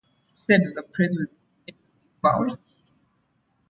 He shared the prize with Emily Balch.